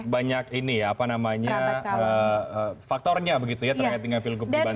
jadi banyak ini ya apa namanya faktornya begitu ya terhait dengan pilkup di banten ini